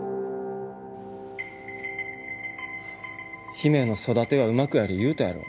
姫の育てはうまくやり言うたやろ。